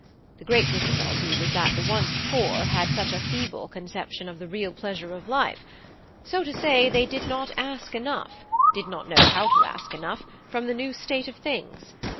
The great difficulty was that the once poor had such a feeble conception of the real pleasure of life: so to say, they did not ask enough, did not know how to ask enough, from the new state of things.